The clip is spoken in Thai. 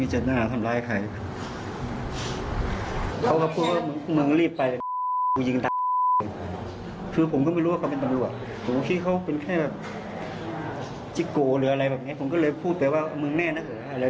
ยังไม่ถึง๓วินาทีเลยเขาจะถึงตัวผมแล้ว